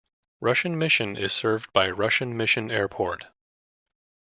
Russian Mission is served by Russian Mission Airport.